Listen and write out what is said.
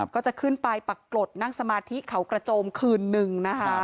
ก็จะขึ้นไปปรากฏนั่งสมาธิเขากระโจมคืนนึงนะคะ